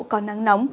có nắng nắng